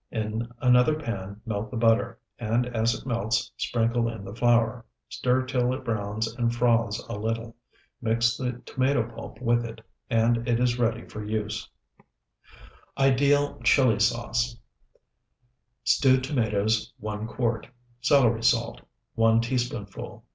In another pan melt the butter, and as it melts sprinkle in the flour; stir till it browns and froths a little. Mix the tomato pulp with it, and it is ready for use. IDEAL CHILI SAUCE Stewed tomatoes, 1 quart. Celery salt, 1 teaspoonful.